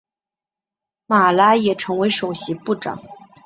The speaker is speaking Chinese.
马拉也成为首席部长。